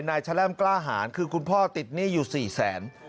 แชล่มกล้าหารคือคุณพ่อติดหนี้อยู่๔แสน